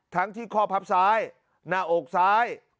ที่ข้อพับซ้ายหน้าอกซ้าย